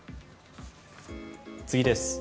次です。